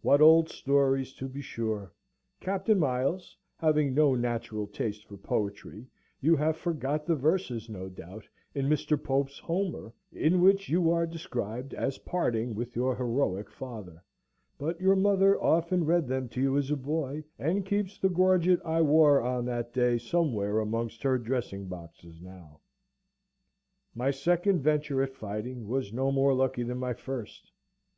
What old stories, to be sure! Captain Miles, having no natural taste for poetry, you have forgot the verses, no doubt, in Mr. Pope's Homer, in which you are described as parting with your heroic father; but your mother often read them to you as a boy, and keeps the gorget I wore on that day somewhere amongst her dressing boxes now. My second venture at fighting was no more lucky than my first.